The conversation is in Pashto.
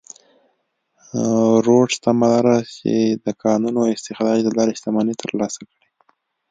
رودز تمه لرله چې د کانونو استخراج له لارې شتمنۍ ترلاسه کړي.